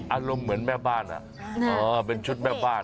อารมณ์เหมือนแม่บ้านเป็นชุดแม่บ้าน